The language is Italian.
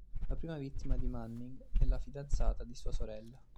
La prima vittima di Manning è la fidanzata di sua sorella.